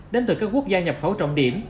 đến từ các quốc gia nhập khẩu trọng điểm